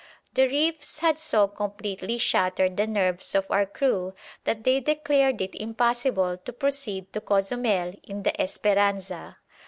The reefs had so completely shattered the nerves of our crew that they declared it impossible to proceed to Cozumel in the "Esperanza."